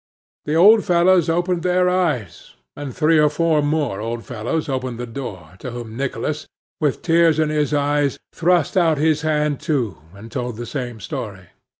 The old fellows opened their eyes, and three or four more old fellows opened the door, to whom Nicholas, with tears in his eyes, thrust out his hand too, and told the same story.